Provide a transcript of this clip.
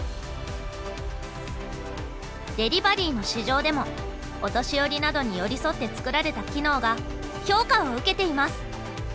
デリバリーの市場でもお年寄りなどに寄り添って作られた機能が評価を受けています。